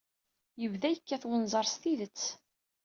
Yebda yekkat wenẓar s tidet.